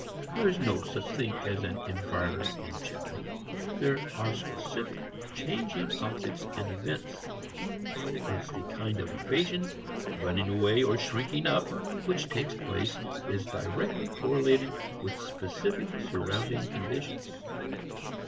There is no such thing as an environment in general; there are specific changing objects and events. Hence the kind of evasion or running away or shrinking up which takes place is directly correlated with specific surrounding conditions.